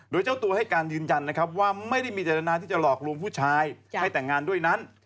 โดยเจ้าตัวให้การยืนยันนะครับว่าไม่ได้มีเจตนาที่จะหลอกลวงผู้ชายให้แต่งงานด้วยนั้น